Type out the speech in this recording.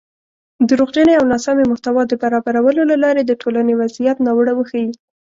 دروغجنې او ناسمې محتوا د برابرولو له لارې د ټولنۍ وضعیت ناوړه وښيي